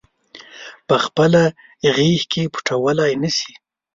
پخپله غیږ کې پټولای نه شي